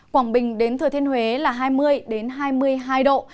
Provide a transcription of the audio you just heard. quảng bình đến thừa thiên huế là hai mươi hai mươi hai độ